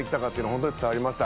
本当に伝わりました。